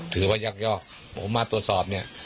ถือว่ายักยอกผมมาตรวจสอบเนี่ย